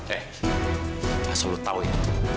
eh asal lu tau itu